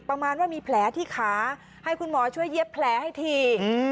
ประมาณว่ามีแผลที่ขาให้คุณหมอช่วยเย็บแผลให้ที